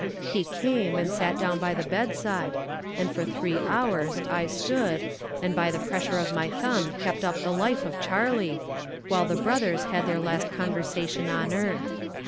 He came and sat down by the bedside, and for three hours I stood, and by the pressure of my thumb kept up the life of Charley, while the brothers had their last conversation on earth.